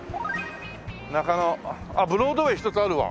中野あっブロードウェイ１つあるわ。